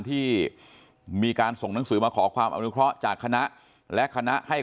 ที่มีการส่งหนังสือมาขอความอนุเคราะห์จากคณะและคณะให้